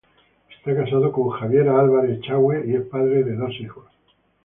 Está casado con Javiera Álvarez Echagüe y es padre de dos hijos.